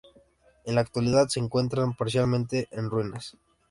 En la actualidad se encuentra parcialmente en ruinas.